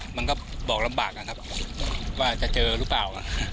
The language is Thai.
มันก็บอกลำบากนะครับว่าจะเจอหรือเปล่า